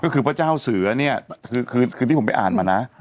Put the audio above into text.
ก็คือพระเจ้าเสือเนี่ยคือที่ผมไปอ่านมานะ